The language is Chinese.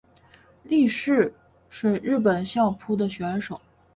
力士是日本相扑的选手。